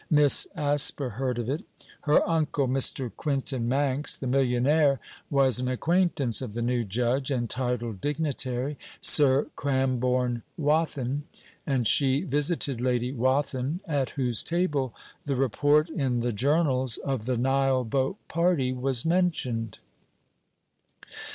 Miss Asper heard of it. Her uncle, Mr. Quintin Manx, the millionnaire, was an acquaintance of the new Judge and titled dignitary, Sir Cramborne Wathin, and she visited Lady Wathin, at whose table the report in the journals of the Nile boat party was mentioned.